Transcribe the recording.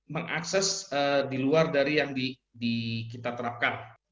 mengakses di luar dari yang kita terapkan